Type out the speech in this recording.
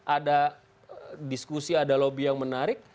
ada diskusi ada lobby yang menarik